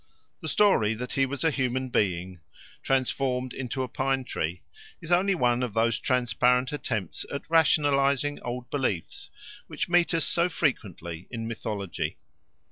The story that he was a human being transformed into a pine tree is only one of those transparent attempts at rationalising old beliefs which meet us so frequently in mythology.